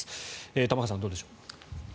玉川さん、どうでしょう。